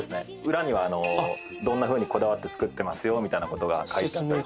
裏にはどんなふうにこだわって作ってますよみたいなことが説明書いてるわで